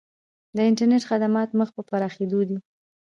د انټرنیټ خدمات مخ په پراخیدو دي